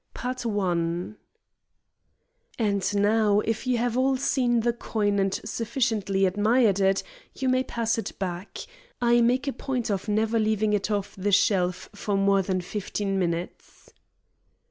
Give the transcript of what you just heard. THE THIEF "And now, if you have all seen the coin and sufficiently admired it, you may pass it back. I make a point of never leaving it off the shelf for more than fifteen minutes."